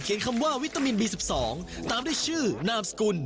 เขียนคำว่าวิตามินบี๑๒ตามได้ชื่อนามสกุล